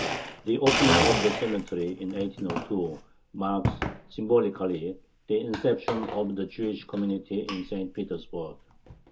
The opening of the cemetery in 1802 marks symbolically the inception of the Jewish community in St. Petersburg.